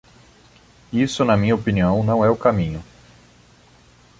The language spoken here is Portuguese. Isso, na minha opinião, não é o caminho.